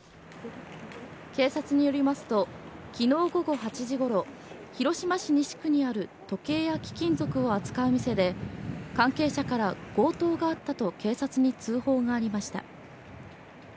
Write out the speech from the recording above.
警察によりますと昨日午後８時ごろ広島市西区にある時計や貴金属を扱う店で関係者から強盗があったと警察に通報がありました。